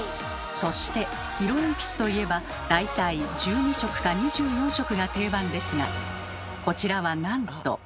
そして色鉛筆といえば大体１２色か２４色が定番ですがこちらはなんと。